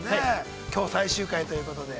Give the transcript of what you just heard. きょう最終回ということで。